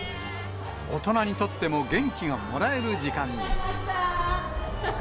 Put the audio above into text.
大人にとっても元気がもらえる時間に。